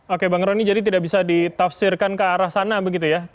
oke bang rony jadi tidak bisa ditafsirkan ke arah sana begitu ya